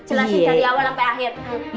jelasin dari awal sampe akhir